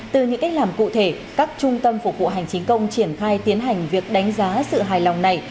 từ những cách làm cụ thể các trung tâm phục vụ hành chính công triển khai tiến hành việc đánh giá sự hài lòng này